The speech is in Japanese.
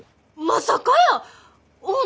まさかやー！